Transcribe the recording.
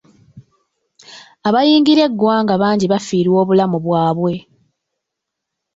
Abayingira eggwanga bangi baafiirwa obulamu bwabwe.